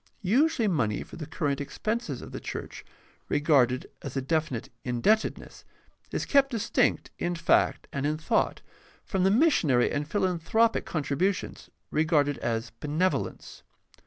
Usually money for the current expenses of the church, regarded as a definite mdebtedness, is kept distinct m fact and in thought from the missionary and philanthropic contribu tions, regarded as benevolence.